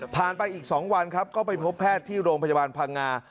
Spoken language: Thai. ไปอีก๒วันครับก็ไปพบแพทย์ที่โรงพยาบาลพังงา